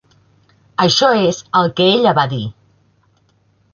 Això és el que ella va dir!